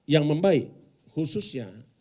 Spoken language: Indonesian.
yang membaik khususnya